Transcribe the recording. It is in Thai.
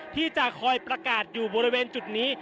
ที่จะคอยประกาศอยู่บริเวณจุดนี้